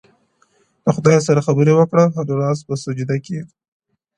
د خدای سره خبرې کړه هنوز په سجده کي _